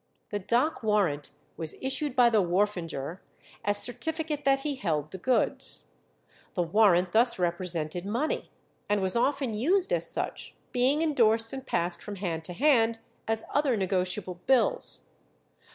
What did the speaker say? The dock warrant was issued by the wharfinger as certificate that he held the goods. The warrant thus represented money, and was often used as such, being endorsed and passed from hand to hand as other negotiable bills.